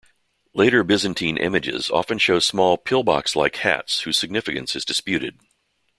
Later Byzantine images often show small pill-box like hats, whose significance is disputed.